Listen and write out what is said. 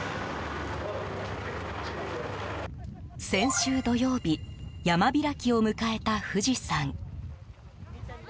先週土曜日山開きを迎えた富士山。